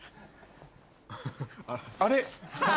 あれ？